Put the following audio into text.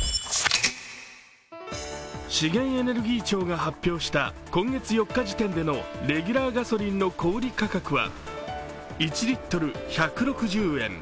資源エネルギー庁が発表した今月４日時点でのレギュラーガソリンの小売価格は１リットル１６０円。